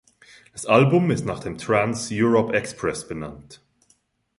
Das Album ist nach dem Trans Europ Express benannt.